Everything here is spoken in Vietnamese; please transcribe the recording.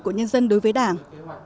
của nhân dân đối với đảng